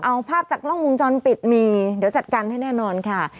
เอาภาพจากกล้องวงจรปิดมีเดี๋ยวจัดการให้แน่นอนค่ะ